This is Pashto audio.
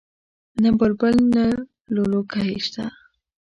نه بلبل نه لولکۍ شته